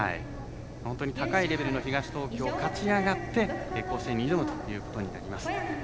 本当に高いレベルの東東京、勝ち上がって甲子園に挑むということになります。